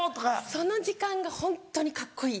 その時間がホントにカッコいい！